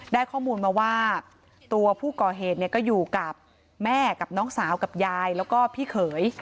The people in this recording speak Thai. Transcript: ได้ข้อมูลมาว่าตัวผู้ก่อเหตุก็อยู่กับแม่กับน้องสาวกับยายแล้วก็พี่เขย